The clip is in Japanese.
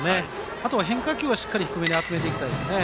あとは変化球はしっかり低めに集めたいですね。